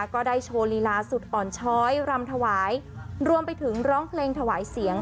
ก็ได้โชว์ลีลาสุดอ่อนช้อยรำถวายรวมไปถึงร้องเพลงถวายเสียง